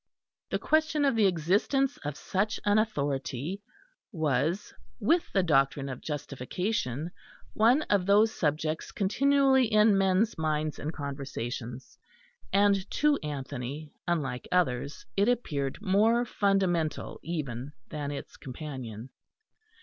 The question of the existence of such an authority was, with the doctrine of justification, one of those subjects continually in men's minds and conversations, and to Anthony, unlike others, it appeared more fundamental even than its companion.